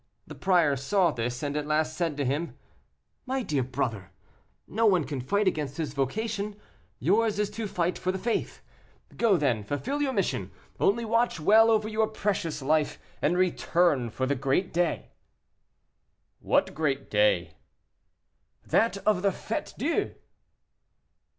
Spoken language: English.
The prior saw this, and at last said to him: "My dear brother, no one can fight against his vocation; yours is to fight for the faith; go then, fulfil your mission, only watch well over your precious life, and return for the great day." "What great day?" "That of the Fête Dieu."